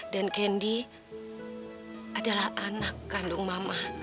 dan candy adalah anak kandung mama